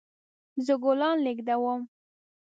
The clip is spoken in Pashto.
زه ګلان لیږدوم